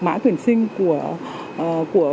mã tuyển sinh của